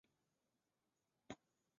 绒额䴓为䴓科䴓属的鸟类。